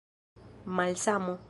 malsamo